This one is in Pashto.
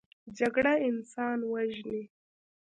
جګړه انسان وژني